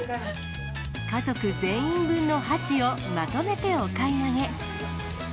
家族全員分の箸をまとめてお買い上げ。